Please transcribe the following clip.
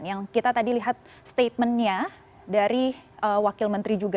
yang kita tadi lihat statementnya dari wakil menteri juga